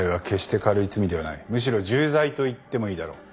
むしろ重罪といってもいいだろう。